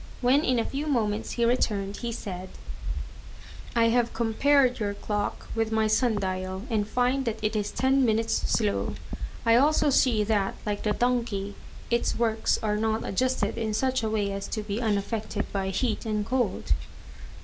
When in a few moments he returned, he said: "I have compared your clock with my sun dial, and find that it is ten minutes slow. I also see that, like the donkey, its works are not adjusted in such a way as to be unaffected by heat and cold."